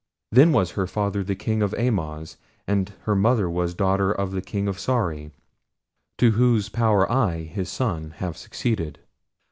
Then was her father king of Amoz, and her mother was daughter of the king of Sari to whose power I, his son, have succeeded.